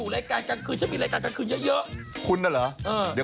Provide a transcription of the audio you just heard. กระเทยเก่งกว่าเออแสดงความเป็นเจ้าข้าว